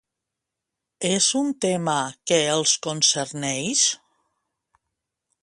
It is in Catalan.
És un tema que els concerneix?